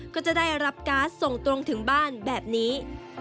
ก็จะได้รับการ์ดส่งตรงถึงบ้านแบบนี้